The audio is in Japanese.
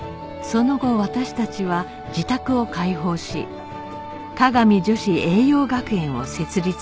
その後私たちは自宅を開放し香美女子栄養学園を設立しました